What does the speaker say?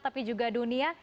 tapi juga dunia